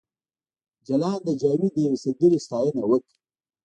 جلان د جاوید د یوې سندرې ستاینه وکړه